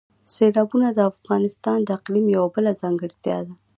سیلابونه د افغانستان د اقلیم یوه بله ځانګړتیا ده.